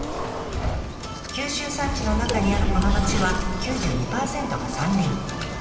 九州山地の中にあるこの町は９２％が山林。